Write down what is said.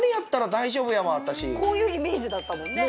こういうイメージだったもんね。